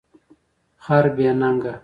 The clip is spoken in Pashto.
خر بی نګه